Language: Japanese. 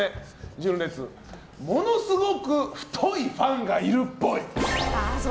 純烈、ものすごく太いファンがいるっぽい。